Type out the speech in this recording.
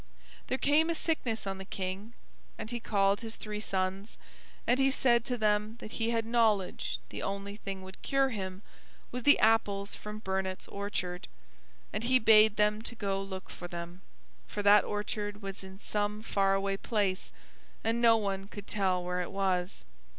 There came a sickness on the King, and he called his three sons, and he said to them that he had knowledge the only thing would cure him was the apples from Burnett's orchard, and he bade them to go look for them, for that orchard was in some far away place, and no one could tell where it was.